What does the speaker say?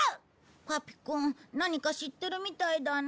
パピくん何か知ってるみたいだね。